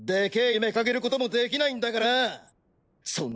夢掲げることもできないんだからな。